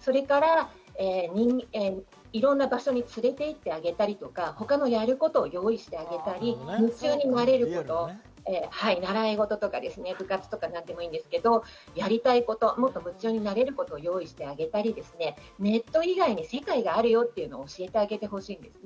それから、いろんな場所に連れて行ってあげたりとか、他のやることを用意してあげたり、夢中になれること、習い事とか、何でもいいんですけど、やりたいこと、夢中にやれることを用意してあげたり、ネット以外に世界があるよというのを教えてあげてほしいです。